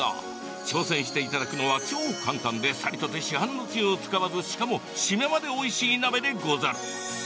挑戦していただくのは、超簡単でさりとて市販のつゆを使わずしかも締めまでおいしい鍋でござる。